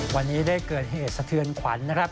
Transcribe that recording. วันนี้ได้เกิดเหตุสะเทือนขวัญนะครับ